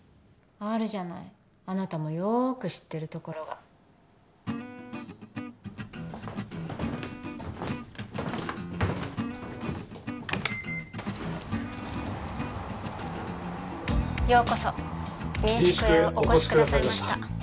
あるじゃないあなたもよーく知ってるところがようこそ民宿へお越しくださいました